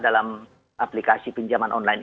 dalam aplikasi pinjaman online